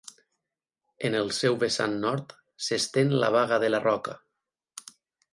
En el seu vessant nord s'estén la Baga de la Roca.